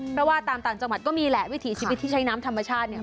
เพราะว่าตามต่างจังหวัดก็มีแหละวิถีชีวิตที่ใช้น้ำธรรมชาติเนี่ย